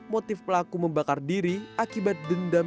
motif pelaku membakar diri akibat dendam